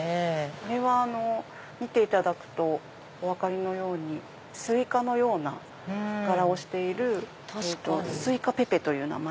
これは見ていただくとお分かりのようにスイカのような柄をしているスイカペペという名前。